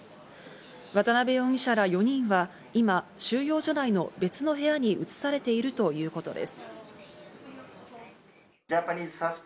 渡辺容疑者ら４人は今、収容所内の別の部屋に移されているということです。